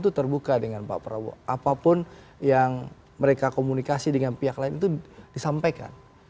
itu terbuka dengan pak prabowo apapun yang mereka komunikasi dengan pihak lain itu disampaikan